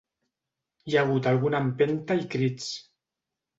Hi ha hagut alguna empenta i crits.